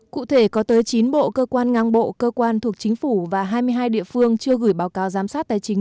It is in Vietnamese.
cụ thể có tới chín bộ cơ quan ngang bộ cơ quan thuộc chính phủ và hai mươi hai địa phương chưa gửi báo cáo giám sát tài chính